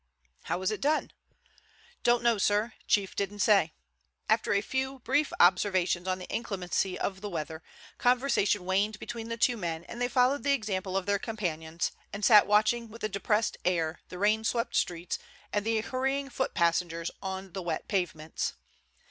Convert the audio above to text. "How was it done?" "Don't know, sir. Chief didn't say." After a few brief observations on the inclemency of the weather, conversation waned between the two men, and they followed the example of their companions, and sat watching with a depressed air the rain swept streets and the hurrying foot passengers on the wet pavements.